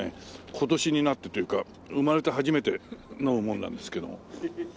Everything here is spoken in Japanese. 今年になってというか生まれて初めて飲むものなんですけども。